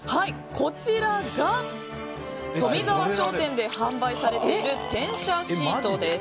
こちらが富澤商店で販売されている転写シートです。